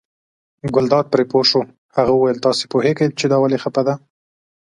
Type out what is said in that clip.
ګلداد پرې پوه شو، هغه وویل تاسې پوهېږئ چې دا ولې خپه دی.